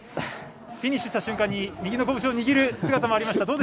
フィニッシュした瞬間に右のこぶしを握る姿もありました。